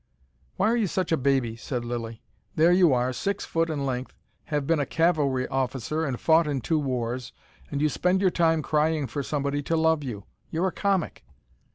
"Why are you such a baby?" said Lilly. "There you are, six foot in length, have been a cavalry officer and fought in two wars, and you spend your time crying for somebody to love you. You're a comic."